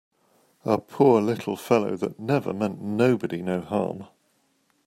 A poor little fellow that never meant nobody no harm!